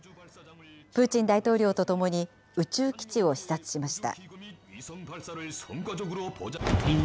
プーチン大統領と共に宇宙基地を視察しました。